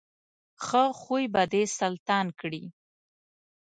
ښه خوی به دې سلطان کړي.